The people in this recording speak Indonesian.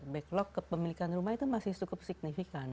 backlog kepemilikan rumah itu masih cukup signifikan